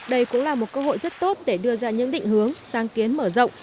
đây cũng là một cơ hội rất tốt để đưa ra những định hướng sáng kiến mở rộng